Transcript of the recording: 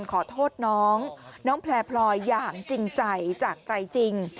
ขอโทษน้องน้องแพลพลอยอย่างจริงใจจากใจจริง